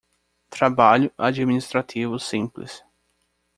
Trabalho administrativo simples